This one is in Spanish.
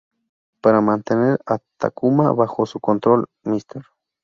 Para mantener a Takuma bajo su control, Mr.